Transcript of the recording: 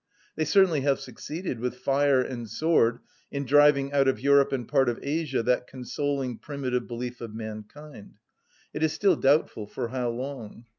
They certainly have succeeded, with fire and sword, in driving out of Europe and part of Asia that consoling primitive belief of mankind; it is still doubtful for how long.